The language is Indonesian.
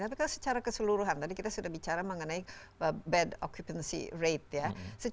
tapi kan secara keseluruhan tadi kita sudah bicara mengenai bad occupancy rate ya